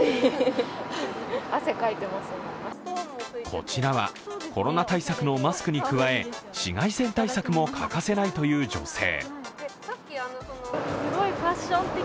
こちらは、コロナ対策のマスクに加え紫外線対策も欠かせないという女性。